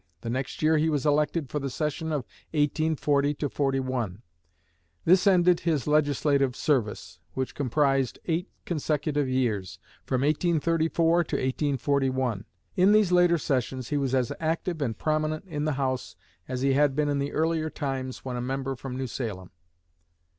The next year he was elected for the session of 1840 41. This ended his legislative service, which comprised eight consecutive years, from 1834 to 1841. In these later sessions he was as active and prominent in the House as he had been in the earlier times when a member from New Salem.